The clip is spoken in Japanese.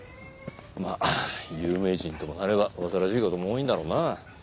まあ有名人ともなれば煩わしい事も多いんだろうな。